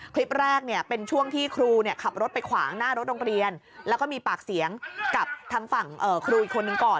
คลิปแรกเนี่ยเป็นช่วงที่ครูขับรถไปขวางหน้ารถโรงเรียนแล้วก็มีปากเสียงกับทางฝั่งครูอีกคนนึงก่อน